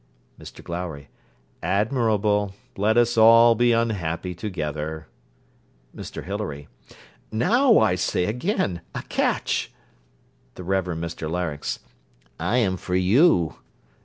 MR GLOWRY Admirable. Let us all be unhappy together. MR HILARY Now, I say again, a catch. THE REVEREND MR LARYNX I am for you.